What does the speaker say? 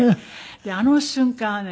であの瞬間はね